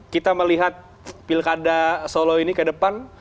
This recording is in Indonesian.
kita melihat pilkada solo ini ke depan